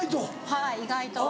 はい意外と。